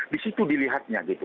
di situ dilihatnya gitu